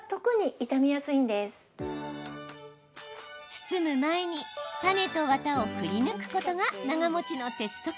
包む前にタネとワタをくりぬくことが長もちの鉄則。